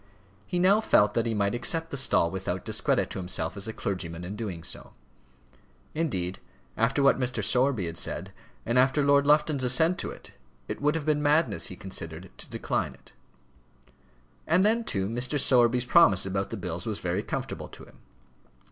He now felt that he might accept the stall without discredit to himself as a clergyman in doing so. Indeed, after what Mr. Sowerby had said, and after Lord Lufton's assent to it, it would have been madness, he considered, to decline it. And then, too, Mr. Sowerby's promise about the bills was very comfortable to him.